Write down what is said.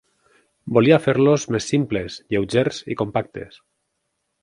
Volia fer-los més simples, lleugers i compactes.